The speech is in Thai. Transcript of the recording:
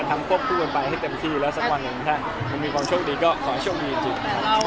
ควบคู่กันไปให้เต็มที่แล้วสักวันหนึ่งถ้ามันมีความโชคดีก็ขอให้โชคดีจริง